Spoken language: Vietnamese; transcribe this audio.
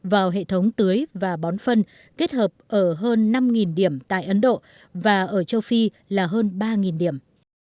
vào hệ thống tưới và bón phân kết hợp ở hơn năm điểm tại ấn độ và ở châu phi là hơn ba điểm